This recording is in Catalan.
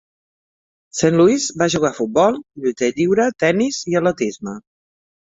St.Louis va jugar a futbol, lluita lliure, tenis i atletisme.